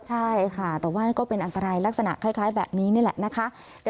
ใช่ค่ะแต่ว่านั่นก็เป็นอันตรายลักษณะคล้ายแบบนี้นี่แหละนะคะ